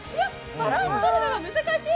バランスとるのが難しい。